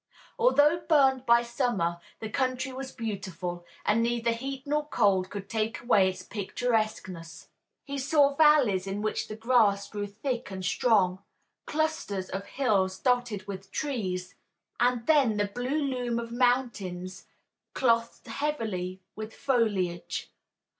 Although burned by summer the country was beautiful, and neither heat nor cold could take away its picturesqueness. He saw valleys in which the grass grew thick and strong, clusters of hills dotted with trees, and then the blue loom of mountains clothed heavily with foliage.